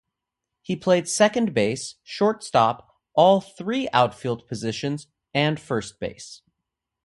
He played second base, shortstop, all three outfield positions, and first base.